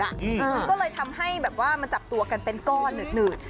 มันก็เลยทำให้แบบว่ามันจับตัวกันเป็นก้อนหนืด